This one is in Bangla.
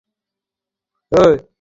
চিন্তার কিছু নেই, এঞ্জেল।